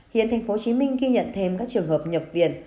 hiện tp hcm ghi nhận thêm các trường hợp nhập viện